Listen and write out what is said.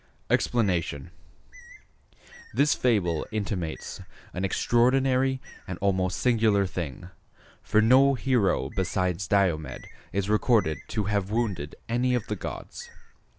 EXPLANATION.—This fable intimates an extraordinary and almost singular thing, for no hero besides Diomed is recorded to have wounded any of the gods.